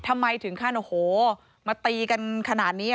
มาตีกันขนาดนี้